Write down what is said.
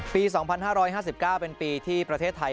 ปี๒๕๕๙เป็นปีที่ประเทศไทย